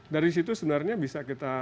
dari situ sebenarnya bisa kita